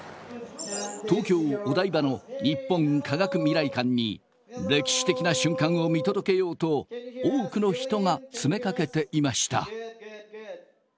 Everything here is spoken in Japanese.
東京お台場の日本科学未来館に歴史的な瞬間を見届けようと多くの人が詰めかけていました。